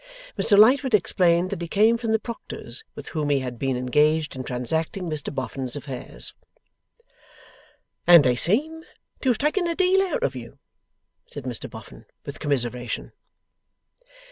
Mr Lightwood explained that he came from the proctor's, with whom he had been engaged in transacting Mr Boffin's affairs. 'And they seem to have taken a deal out of you!' said Mr Boffin, with commiseration.